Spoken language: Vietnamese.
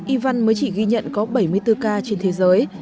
y văn mới chỉ ghi nhận có bảy mươi bốn ca trên thế giới